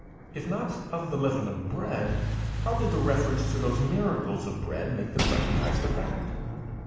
If not of the leaven of bread, how did the reference to those miracles of bread make them recognize the fact?